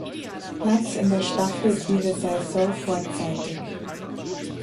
Platz in der Staffel ihre Saison vorzeitig.